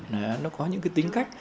nó có những tính cách